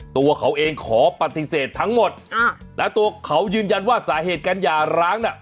ตัวเขาเองขอปฏิเสธทั้งหมดแล้วตัวเขายืนยันว่าสาเหตุการหย่าร้างน่ะ